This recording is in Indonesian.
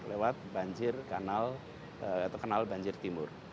lewat banjir kanal atau kenal banjir timur